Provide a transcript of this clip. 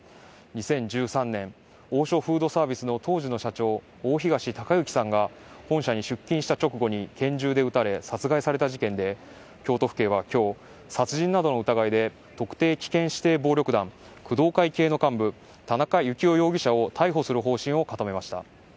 ２０１３年王将フードサービスの当時の社長大東隆行さんが本社に出勤した直後に拳銃で撃たれ殺害された事件で京都府警は今日殺人などの疑いで特定危険指定暴力団工藤会系の幹部田中幸雄容疑者を逮捕する方針を固めました。